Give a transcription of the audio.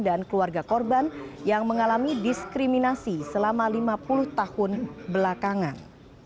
dan keluarga korban yang mengalami diskriminasi selama lima puluh tahun belakangan